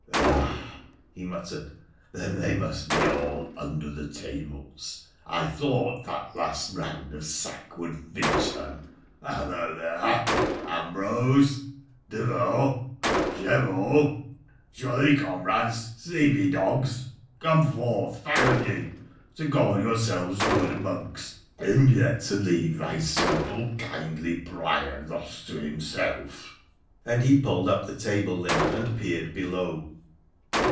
' Ah !' he muttered ;' then they must be all under the tables ! I thought that last round of sack would finish them ! Hallo ! there ! Ambrose ! De Vceux ! Jervaulx 1 Jolly comrades !— sleepy dogs ! Come forth ! Fie on ye !— to call yourselves good monks, and yet to leave thy simple, kindly Prior thus to himself 1 ' and he pulled up the table linen and peered below.